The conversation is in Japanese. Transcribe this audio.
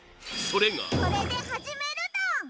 これで始めるドン！